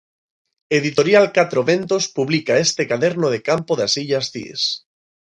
Editorial Catro Ventos publica este Caderno de campo das Illas Cíes.